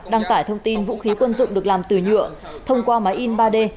đăng tải thông tin vũ khí quân dụng được làm từ nhựa thông qua máy in ba d